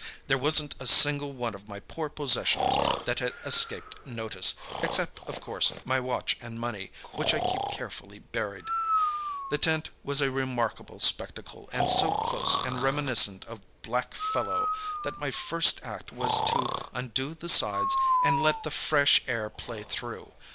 There wasn't a single one of my poor possessions that had escaped notice, except, of course, my watch and money, which I keep carefully buried. The tent was a remarkable spectacle, and so close and reminiscent of black fellow that my first act was to undo the sides and let the fresh air play through.